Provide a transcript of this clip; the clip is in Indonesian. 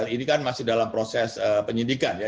ini kan masih dalam proses penyidikan ya